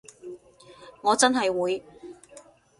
我真係會